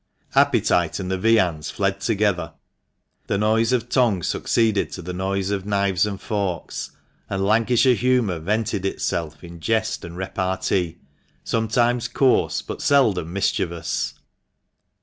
Appetite and the viands fled together, the noise of tongues succeeded to the noise of knives and forks, and Lancashire humour vented itself in jest and repartee, sometimes coarse, but seldom mischievous.